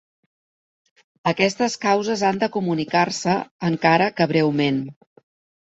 Aquestes causes han de comunicar-se, encara que breument.